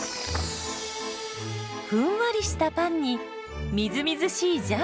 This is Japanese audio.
ふんわりしたパンにみずみずしいジャム。